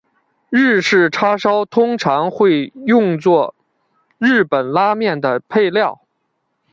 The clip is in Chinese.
日式叉烧通常会用作日本拉面的配料。